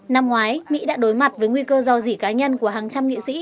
năm ngoái mỹ đã đối mặt với nguy cơ dò dỉ cá nhân của hàng trăm nghị sĩ